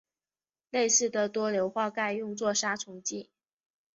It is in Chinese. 类似的多硫化钙用作杀虫剂。